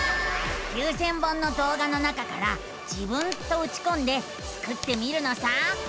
９，０００本のどう画の中から「自分」とうちこんでスクってみるのさ。